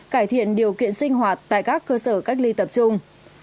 cải thiện điều kiện sinh hoạt tại các cơ sở cách ly tập trung